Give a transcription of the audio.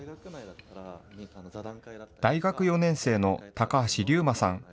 大学４年生の高橋琉真さん。